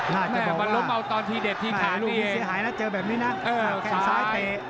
แม่มันล้มเอาตอนที่เด็ดที่แถมนี้